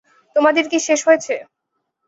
তোমাদের কি শেষ হয়েছে?